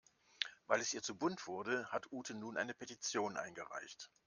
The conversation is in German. Weil es ihr zu bunt wurde, hat Ute nun eine Petition eingereicht.